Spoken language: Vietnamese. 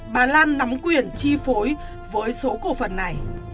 bà lan nắm quyền chi phối với số cổ phần này